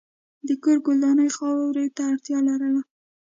د کور ګلداني خاورې ته اړتیا لرله.